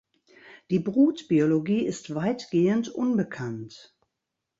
Die Brutbiologie ist weitgehend unbekannt.